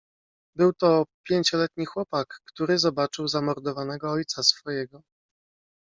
"Był to pięcioletni chłopak, który zobaczył zamordowanego ojca swojego..."